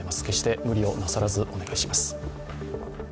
決して無理をなさらず、お願いします。